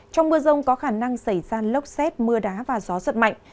trong mưa rông có khả năng xảy ra lốc xét mưa đá và gió giật mạnh